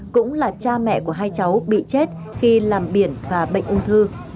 cũng là cha mẹ của hai cháu bị chết khi làm biển và bệnh ung thư